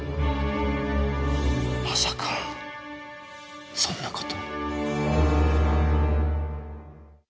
まさかそんなこと。